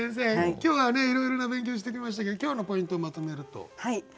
今日はいろいろな勉強してきましたけど今日のポイントをまとめると？